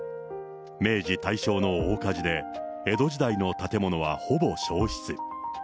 明治、大正の大火事で、江戸時代の建物はほぼ焼失。